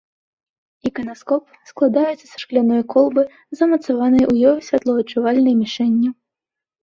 Іканаскоп складаецца са шкляной колбы з замацаванай у ёй святлоадчувальнай мішэнню.